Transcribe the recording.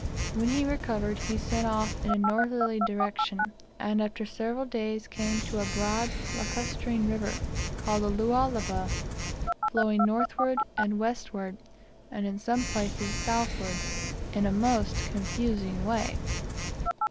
When recovered, he set off in a northerly direction, and after several days came to a broad lacustrine river, called the Lualaba, flowing northward and westward, and in some places southward, in a most confusing way.